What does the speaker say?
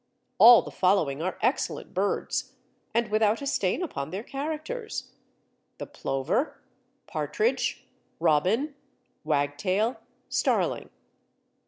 All the following are excellent birds, and without a stain upon their characters: the plover, partridge, robin, wagtail, starling.